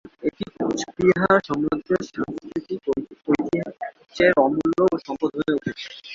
এটি কোচবিহার সাম্রাজ্যের সাংস্কৃতিক ঐতিহ্যের অমূল্য সম্পদ হয়ে উঠেছে।